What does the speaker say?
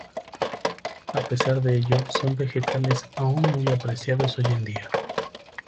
A pesar de ello, son vegetales aún muy apreciados hoy en día.